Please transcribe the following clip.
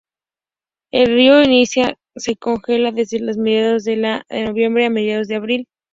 El río Inia se congela desde mediados de de noviembre a mediados de abril.